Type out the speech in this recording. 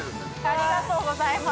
◆ありがとうございます。